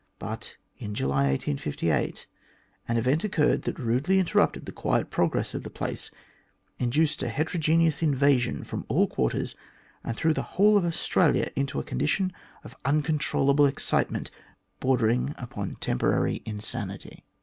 But in July, 1858, an event occurred that rudely interrupted the quiet progress of the place, induced a heterogeneous invasion from all quarters, and threw the whole of Australia into a condition of uncontrollable excite ment bordering upon temporary insanity.